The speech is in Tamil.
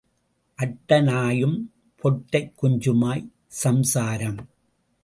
அட்ட நாயும் பொட்டைக் குஞ்சுமாய்ச் சம்சாரம்.